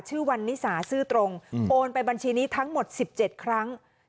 วันนิสาซื่อตรงโอนไปบัญชีนี้ทั้งหมด๑๗ครั้ง